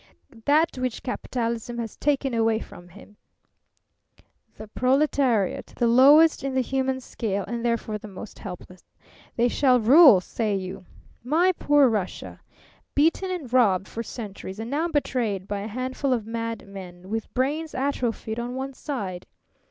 "That which capitalism has taken away from him." "The proletariat. The lowest in the human scale and therefore the most helpless. They shall rule, say you. My poor Russia! Beaten and robbed for centuries, and now betrayed by a handful of madmen with brains atrophied on one side!